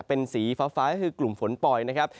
เป็นสีฟ้าก็คือกลุ่มฝนปล่อยนะครับ